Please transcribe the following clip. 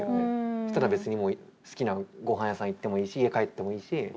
そしたら別にもう好きなごはん屋さん行ってもいいし家へ帰ってもいいし。